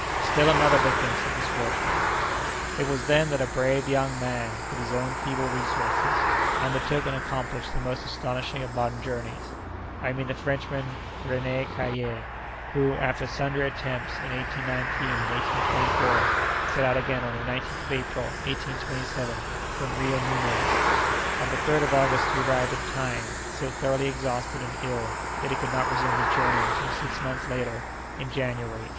"Still another victim!" said the sportsman. "It was then that a brave young man, with his own feeble resources, undertook and accomplished the most astonishing of modern journeys—I mean the Frenchman René Caillié, who, after sundry attempts in 1819 and 1824, set out again on the 19th of April, 1827, from Rio Nunez. On the 3d of August he arrived at Timé, so thoroughly exhausted and ill that he could not resume his journey until six months later, in January, 1828.